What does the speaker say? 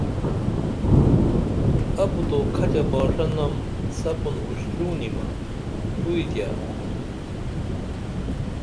ابُت او کھچہ باشہ نم سپُن اُشترونیمہ کوئی تیہ